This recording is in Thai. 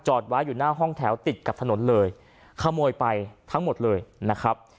ไว้อยู่หน้าห้องแถวติดกับถนนเลยขโมยไปทั้งหมดเลยนะครับ